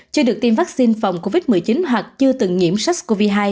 chưa được tiêm vaccine phòng covid một mươi chín hoặc chưa từng nhiễm sars cov hai